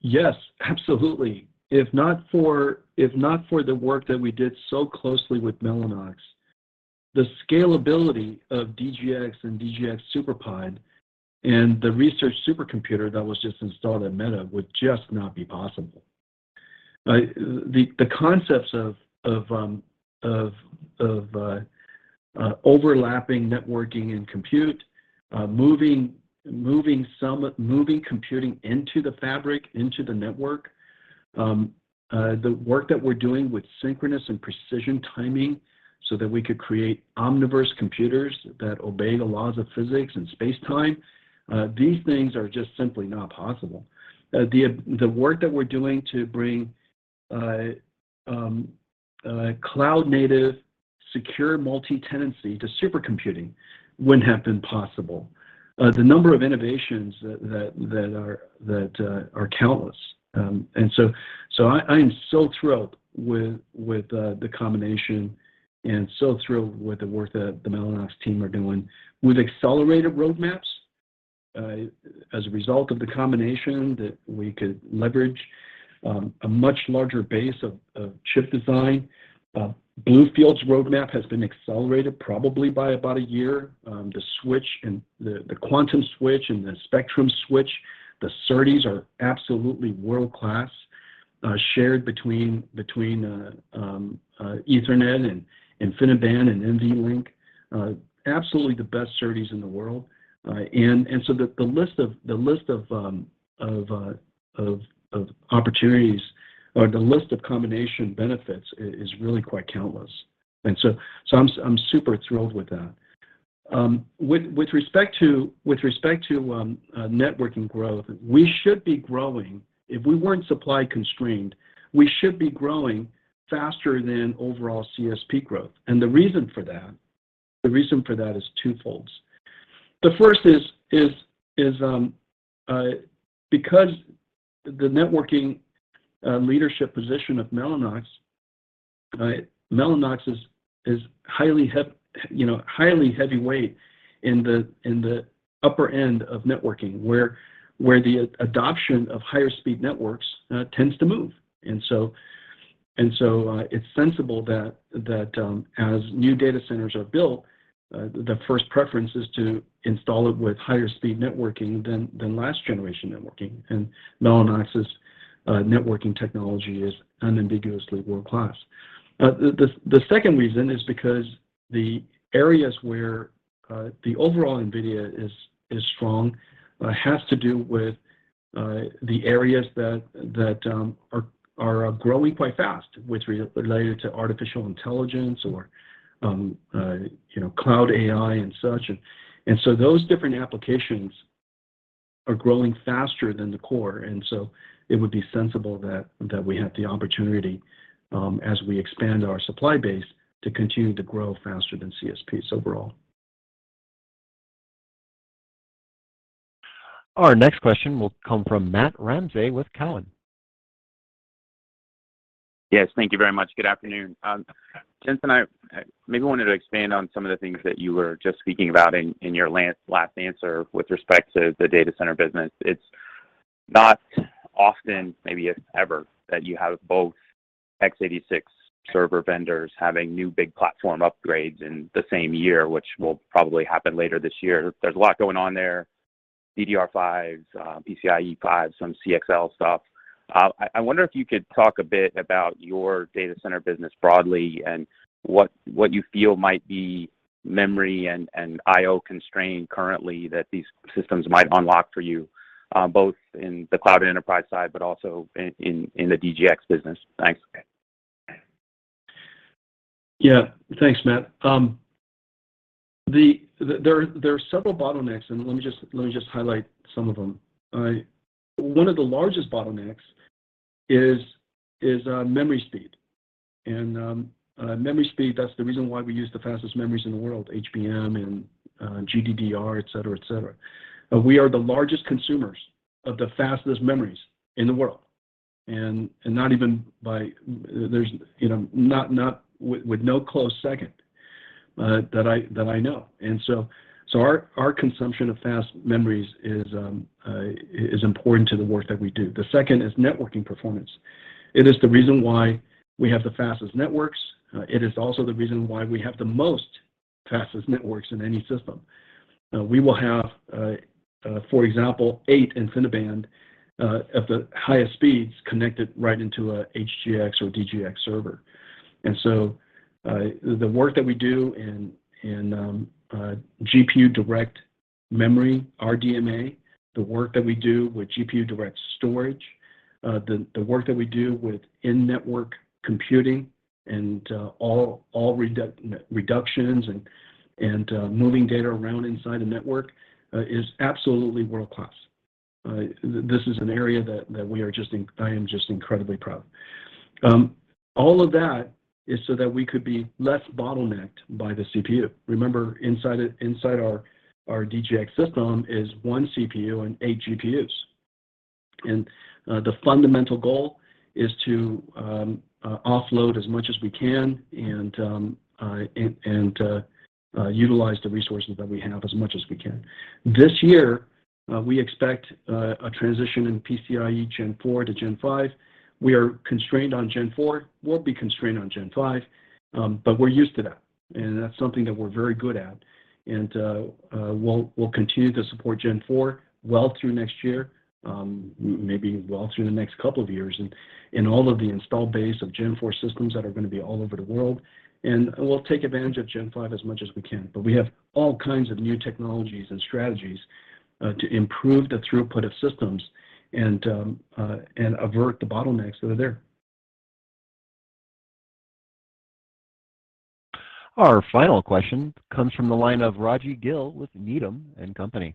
Speaker 4: Yes, absolutely. If not for the work that we did so closely with Mellanox, the scalability of DGX and DGX SuperPOD and the research supercomputer that was just installed at Meta would just not be possible. The concepts of overlapping networking and compute, moving computing into the fabric, into the network. The work that we're doing with synchronous and precision timing so that we could create Omniverse computers that obey the laws of physics and space-time, these things are just simply not possible. The work that we're doing to bring cloud native secure multi-tenancy to supercomputing wouldn't have been possible. The number of innovations that are countless. I am so thrilled with the combination and so thrilled with the work that the Mellanox team are doing. We've accelerated roadmaps as a result of the combination that we could leverage a much larger base of chip design. BlueField's roadmap has been accelerated probably by about a year. The switch and the Quantum switch and the Spectrum switch, the SerDes are absolutely world-class, shared between Ethernet and InfiniBand and NVLink. Absolutely the best SerDes in the world. The list of opportunities or the list of combination benefits is really quite countless. I'm super thrilled with that. With respect to networking growth, we should be growing. If we weren't supply constrained, we should be growing faster than overall CSP growth. The reason for that is twofold. The first is because the networking leadership position of Mellanox, right? Mellanox, is you know, highly heavyweight in the upper end of networking where the adoption of higher speed networks tends to move. It's sensible that as new data centers are built, the first preference is to install it with higher speed networking than last generation networking. Mellanox's networking technology is unambiguously world-class. The second reason is because the areas where the overall NVIDIA is strong has to do with the areas that are growing quite fast, which relate to artificial intelligence or, you know, cloud AI and such. Those different applications are growing faster than the core. It would be sensible that we have the opportunity, as we expand our supply base, to continue to grow faster than CSPs overall.
Speaker 1: Our next question will come from Matt Ramsay with Cowen.
Speaker 14: Yes. Thank you very much. Good afternoon. Jensen, I wanted to expand on some of the things that you were just speaking about in your last answer with respect to the data center business. It's not often, maybe if ever, that you have both x86 server vendors having new big platform upgrades in the same year, which will probably happen later this year. There's a lot going on there, DDR5s, PCIe 5s, some CXL stuff. I wonder if you could talk a bit about your data center business broadly and what you feel might be memory and IO constraint currently that these systems might unlock for you, both in the cloud enterprise side but also in the DGX business. Thanks.
Speaker 4: Thanks, Matt. There are several bottlenecks, and let me just highlight some of them. One of the largest bottlenecks is memory speed. Memory speed, that's the reason why we use the fastest memories in the world, HBM and GDDR, et cetera, et cetera. We are the largest consumers of the fastest memories in the world. Not even by a close second, that I know. Our consumption of fast memories is important to the work that we do. The second is networking performance. It is the reason why we have the fastest networks. It is also the reason why we have the most fastest networks in any system. We will have, for example, eight InfiniBand of the highest speeds connected right into a HGX or DGX server. The work that we do in GPUDirect memory, RDMA, the work that we do with GPUDirect Storage, the work that we do with in-network computing and all reductions and moving data around inside a network is absolutely world-class. This is an area that I am just incredibly proud of. All of that is so that we could be less bottlenecked by the CPU. Remember, inside our DGX system is one CPU and eight GPUs. The fundamental goal is to offload as much as we can and utilize the resources that we have as much as we can. This year, we expect a transition in PCIe Gen 4 to Gen 5. We are constrained on Gen 4. We'll be constrained on Gen 5, but we're used to that, and that's something that we're very good at. We'll continue to support Gen 4 well through next year, maybe well through the next couple of years in all of the installed base of Gen 4 systems that are gonna be all over the world. We'll take advantage of Gen 5 as much as we can. We have all kinds of new technologies and strategies to improve the throughput of systems and avert the bottlenecks that are there.
Speaker 1: Our final question comes from the line of Raji Gill with Needham & Company.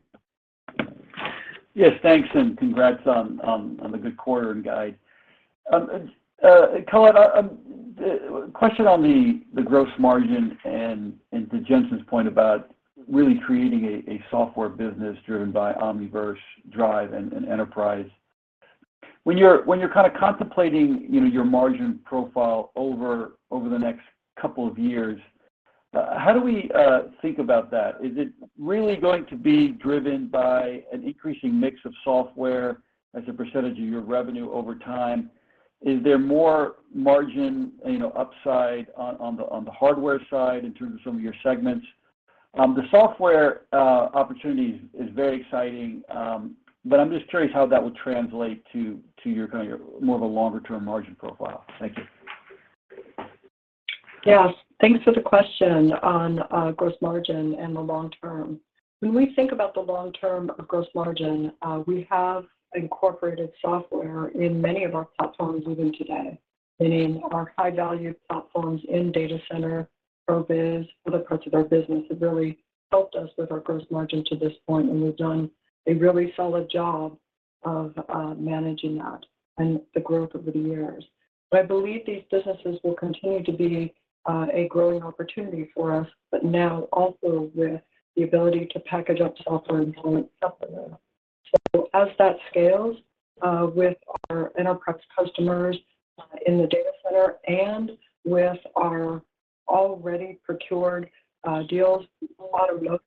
Speaker 15: Yes, thanks, and congrats on the good quarter and guide. Colette, a question on the gross margin and to Jensen's point about really creating a software business driven by Omniverse, Drive, and Enterprise. When you're kind of contemplating, you know, your margin profile over the next couple of years, how do we think about that? Is it really going to be driven by an increasing mix of software as a percentage of your revenue over time? Is there more margin, you know, upside on the hardware side in terms of some of your segments? The software opportunity is very exciting, but I'm just curious how that would translate to your kind of more of a longer-term margin profile. Thank you.
Speaker 3: Yes. Thanks for the question on gross margin and the long term. When we think about the long term of gross margin, we have incorporated software in many of our platforms even today, meaning our high-value platforms in Data Center, ProViz, other parts of our business have really helped us with our gross margin to this point, and we've done a really solid job of managing that and the growth over the years. I believe these businesses will continue to be a growing opportunity for us, but now also with the ability to package up software and sell it separately. As that scales with our enterprise customers in the Data Center and with our already procured deals, a lot of them,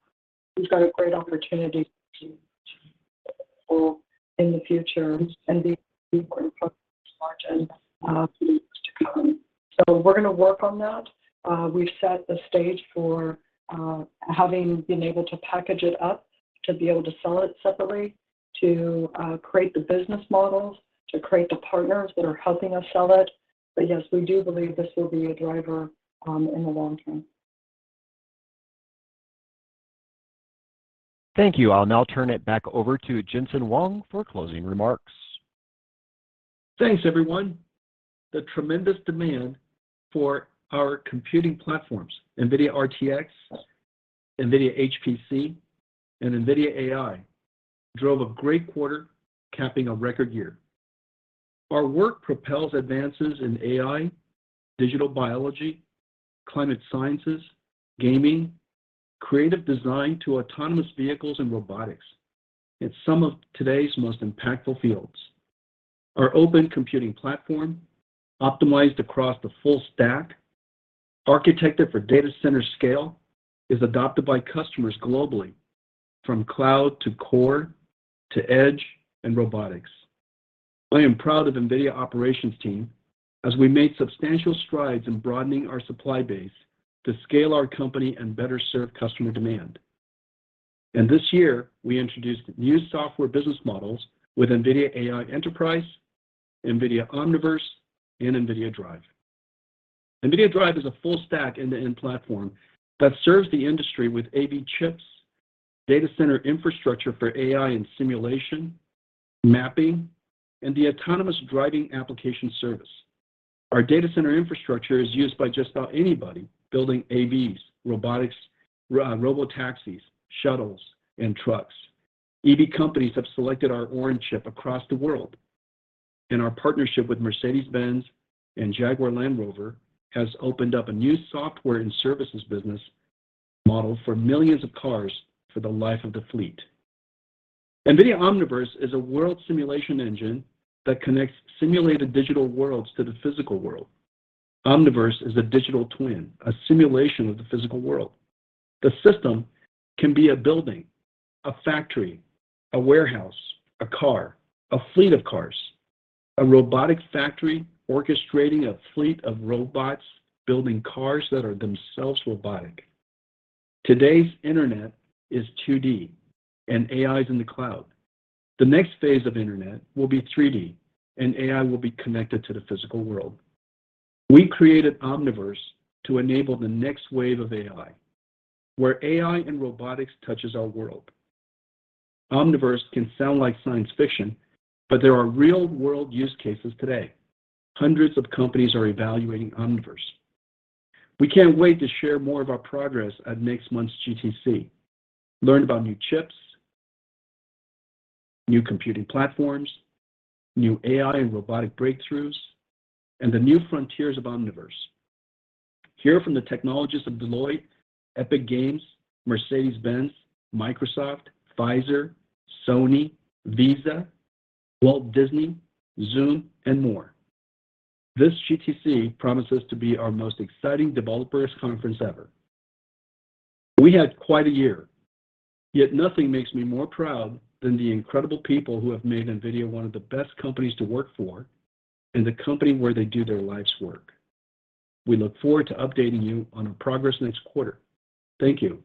Speaker 3: we've got a great opportunity to in the future and be margin to come. We're gonna work on that. We've set the stage for having been able to package it up to be able to sell it separately, to create the business models, to create the partners that are helping us sell it. Yes, we do believe this will be a driver in the long term.
Speaker 1: Thank you. I'll now turn it back over to Jensen Huang for closing remarks.
Speaker 4: Thanks, everyone. The tremendous demand for our computing platforms, NVIDIA RTX, NVIDIA HPC, and NVIDIA AI, drove a great quarter capping a record year. Our work propels advances in AI, digital biology, climate sciences, gaming, creative design to autonomous vehicles and robotics, and some of today's most impactful fields. Our open computing platform, optimized across the full stack, architected for data center scale, is adopted by customers globally from cloud to core, to edge and robotics. I am proud of NVIDIA operations team as we made substantial strides in broadening our supply base to scale our company and better serve customer demand. This year, we introduced new software business models with NVIDIA AI Enterprise, NVIDIA Omniverse, and NVIDIA DRIVE. NVIDIA DRIVE is a full stack end-to-end platform that serves the industry with AV chips, data center infrastructure for AI and simulation, mapping, and the autonomous driving application service. Our data center infrastructure is used by just about anybody building AVs, robotics, robotaxis, shuttles, and trucks. AV companies have selected our Orin chip across the world, and our partnership with Mercedes-Benz and Jaguar Land Rover has opened up a new software and services business model for millions of cars for the life of the fleet. NVIDIA Omniverse is a world simulation engine that connects simulated digital worlds to the physical world. Omniverse is a digital twin, a simulation of the physical world. The system can be a building, a factory, a warehouse, a car, a fleet of cars, a robotic factory orchestrating a fleet of robots building cars that are themselves robotic. Today's internet is 2D and AI is in the cloud. The next phase of internet will be 3D, and AI will be connected to the physical world. We created Omniverse to enable the next wave of AI, where AI and robotics touches our world. Omniverse can sound like science fiction, but there are real-world use cases today. Hundreds of companies are evaluating Omniverse. We can't wait to share more of our progress at next month's GTC. Learn about new chips, new computing platforms, new AI and robotic breakthroughs, and the new frontiers of Omniverse. Hear from the technologists of Deloitte, Epic Games, Mercedes-Benz, Microsoft, Pfizer, Sony, Visa, Walt Disney, Zoom, and more. This GTC promises to be our most exciting developers conference ever. We had quite a year. Yet nothing makes me more proud than the incredible people who have made NVIDIA one of the best companies to work for and the company where they do their life's work. We look forward to updating you on our progress next quarter. Thank you.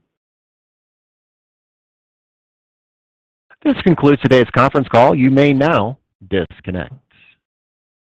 Speaker 1: This concludes today's conference call. You may now disconnect.